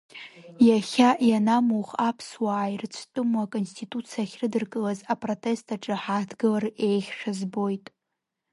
Иахьа ианамух аԥсуаа ирыцәтәыму Аконституциа ахьрыдыркылаз апротест аҿы ҳааҭгылар еиӷьшәа збоит.